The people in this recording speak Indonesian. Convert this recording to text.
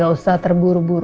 iya betul pak